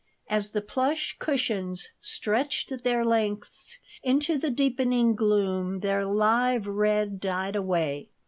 As the plush cushions stretched their lengths into the deepening gloom their live red died away.